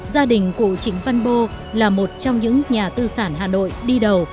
gia đình cụ trịnh văn bô là một trong những nhà tư sản hà nội đi đầu